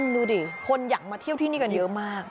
ดูดิคนอยากมาเที่ยวที่นี่กันเยอะมาก